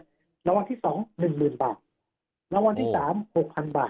รางวัลที่๒เป็น๑๐๐๐๐บาทรางวัลที่๓เป็น๖๐๐๐บาท